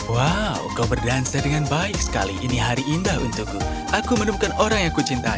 wow kau berdansa dengan baik sekali ini hari indah untukku aku menemukan orang yang ku cintai